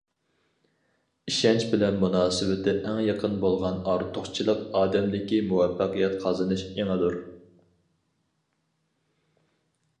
ئىشەنچ بىلەن مۇناسىۋىتى ئەڭ يېقىن بولغان ئارتۇقچىلىق ئادەمدىكى مۇۋەپپەقىيەت قازىنىش ئېڭىدۇر.